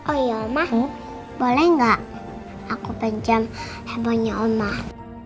oh iya omah boleh gak aku benjam handphonenya omah